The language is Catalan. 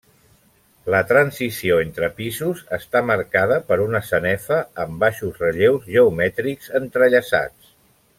La transició entre pisos està marcada per una sanefa amb baixos relleus geomètrics entrellaçats.